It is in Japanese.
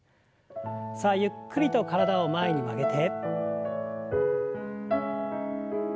さあゆっくりと体を前に曲げて。